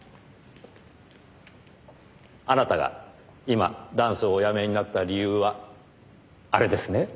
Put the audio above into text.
あなたが今ダンスをおやめになった理由はあれですね？